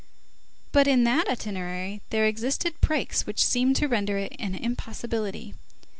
But in that itinerary there existed breaks which seemed to render it an impossibility.